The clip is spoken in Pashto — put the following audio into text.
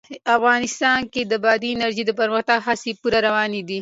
افغانستان کې د بادي انرژي د پرمختګ هڅې پوره روانې دي.